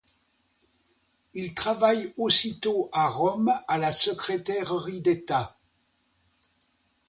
Il travaille aussitôt à Rome à la Secrétairerie d'État.